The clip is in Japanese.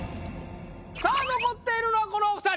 さあ残っているのはこのお二人。